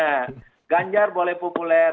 sganjar boleh populer